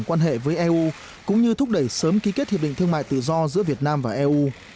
quan hệ với eu cũng như thúc đẩy sớm ký kết hiệp định thương mại tự do giữa việt nam và eu